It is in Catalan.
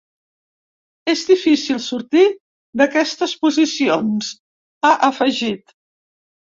És difícil sortir d’aquestes posicions, ha afegit.